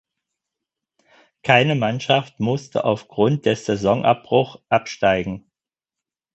Keine Mannschaft musste aufgrund des Saisonabbruch absteigen.